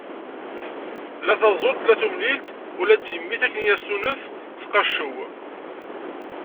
La taẓult, la tumlilt, ula d timmi-s akken kan i as-tunef teqqaccew.